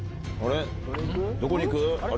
どこに行く？